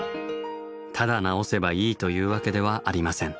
ただ直せばいいというわけではありません。